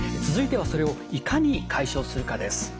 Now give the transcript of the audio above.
続いてはそれをいかに解消するかです。